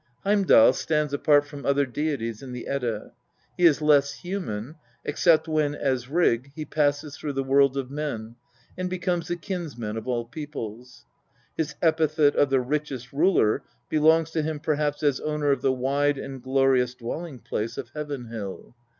Heimdal stands apart from other deities in the Edda. He is less human, except when, as Rig, he passes through the world of men and becomes the kinsmen of all peoples. His epithet of the " richest ruler" belongs to him perhaps as owner of the wide and glorious dwelling place of Heaven hill.